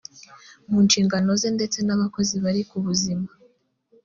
mu nshingano ze ndetse n abakozi bari kubuzima